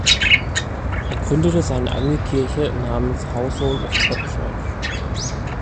Er gründete seine eigene Kirche namens "Household of God Church.